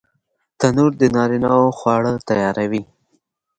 تنور د نارینه وو خواړه تیاروي